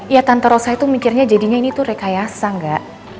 ya tanta rosa itu mikirnya jadinya ini tuh rekayasa gak